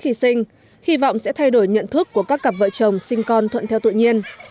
khi sinh hy vọng sẽ thay đổi nhận thức của các cặp vợ chồng sinh con thuận theo tự nhiên